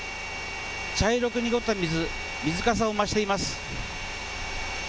茶色く濁った水水かさを増しています。